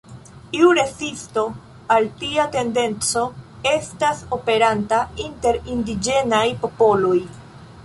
Iu rezisto al tia tendenco estas aperanta inter indiĝenaj popoloj.